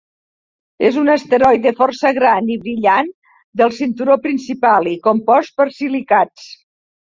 És un asteroide força gran i brillant del cinturó principal, i compost per silicats.